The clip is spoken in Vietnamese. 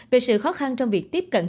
về sự khó khăn trong việc tiếp cận